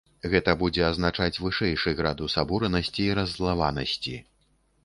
Гэта будзе азначаць вышэйшы градус абуранасці і раззлаванасці.